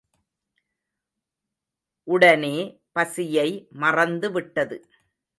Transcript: உடனே பசியை மறந்துவிட்டது.